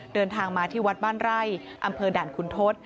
เดินทางมาที่วัดบ้านไร่อำเภอด่านคุณทศ